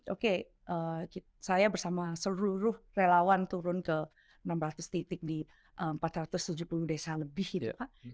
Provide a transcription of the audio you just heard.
oke saya bersama seluruh relawan turun ke enam ratus titik di empat ratus tujuh puluh desa lebih gitu pak